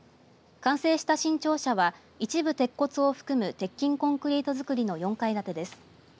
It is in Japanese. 完成した新庁舎は一部鉄骨を含む鉄筋コンクリート造りの４階建てです。